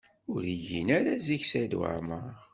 Ur igin ara zik Saɛid Waɛmaṛ.